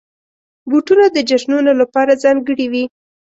بوټونه د جشنونو لپاره ځانګړي وي.